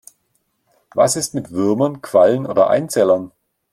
Was ist mit Würmern, Quallen oder Einzellern?